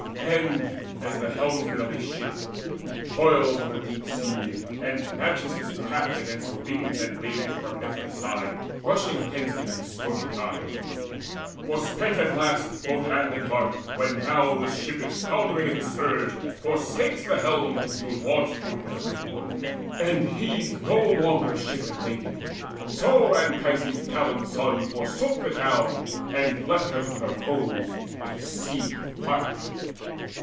And as the helmsman of a ship, who toils On the deep sea, and matches all his craft Against the winds and waves from every side Rushing against him in the stormy time, Forspent at last, both hand and heart, when now The ship is foundering in the surge, forsakes The helm, to launch forth in a little boat, And heeds no longer ship and lading; so Anchises' gallant son forsook the town And left her to her foes, a sea of fire.